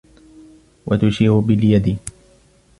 وَتُشِيرُ بِالْيَدِ